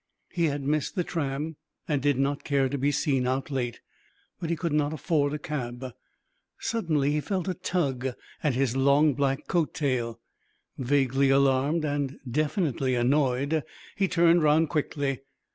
He had missed the tram, and did not care to be seen out late, but he could not afford a cab. Suddenly he felt a tug at his long black coat tail. Vaguely alarmed and definitely annoyed, he turned round quickly.